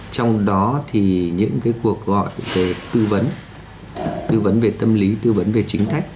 trong đó những cuộc gọi về tư vấn tư vấn về tâm lý tư vấn về chính thách